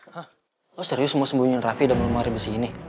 hah lo serius mau sembunyiin raffi dalam lemari besi ini